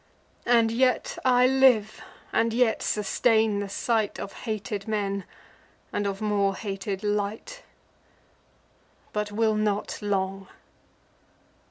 And yet I live, and yet sustain the sight Of hated men, and of more hated light: But will not long."